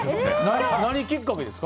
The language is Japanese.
何きっかけですか？